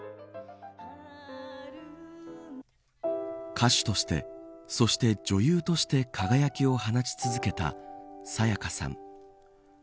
歌手としてそして、女優として輝きを放ち続けた沙也加さん。